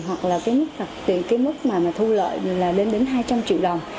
hoặc là cái mức mà thu lợi là lên đến hai trăm linh triệu đồng